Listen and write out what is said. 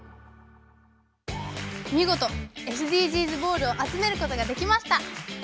みごとＳＤＧｓボールをあつめることができました！